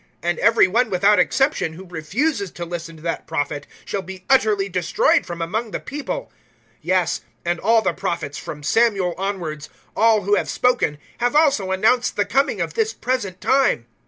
003:023 And every one, without exception, who refuses to listen to that Prophet shall be utterly destroyed from among the People.' 003:024 Yes, and all the Prophets, from Samuel onwards all who have spoken have also announced the coming of this present time.